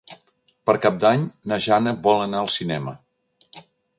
Per Cap d'Any na Jana vol anar al cinema.